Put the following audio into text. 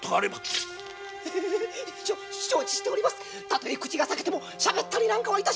たとえ口が裂けてもしゃべったりは致しません。